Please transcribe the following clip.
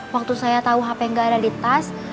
waktu saya tahu hp nggak ada di tas